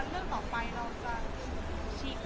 เรื่องต่อไปเราจะชีกแนว